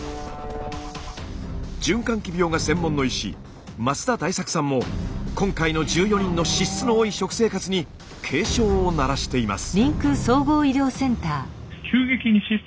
循環器病が専門の医師増田大作さんも今回の１４人の脂質の多い食生活に警鐘を鳴らしています。